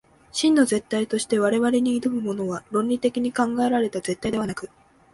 真の絶対として我々に臨むものは、論理的に考えられた絶対ではなく、